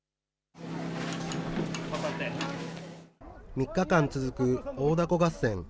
３日間続く大凧合戦。